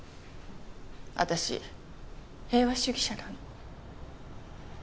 私平和主義者なの。